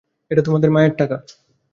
এটা তোমার মায়ের টাকা।